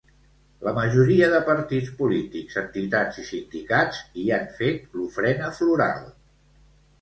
La majoria de partits polítics, entitats i sindicats hi han fet l'ofrena floral.